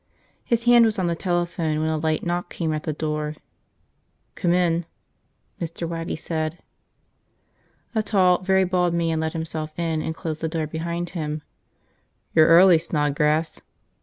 His hand was on the telephone when a light knock came at the door. "Come in," Mr. Waddy said. A tall, very bald man let himself in and closed the door behind him. "You're early, Snodgrass."